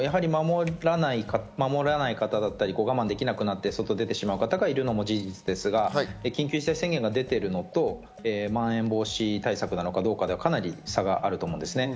守らない方だったり我慢できなくなって外に出てしまう人がいるのも事実ですが、緊急事態宣言が出ているのとまん延防止対策なのかどうかではかなり差があると思うんですね。